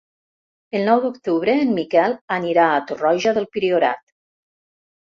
El nou d'octubre en Miquel anirà a Torroja del Priorat.